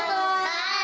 はい。